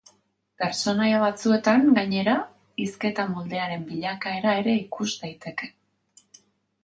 Pertsonaia batzuetan, gainera, hizketa moldearen bilakaera ere ikus daiteke.